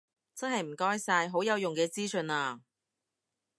真係唔該晒，好有用嘅資訊啊